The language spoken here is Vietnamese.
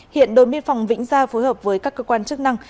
hiện đồn biên phòng vĩnh gia phối hợp với các cơ quan chức năng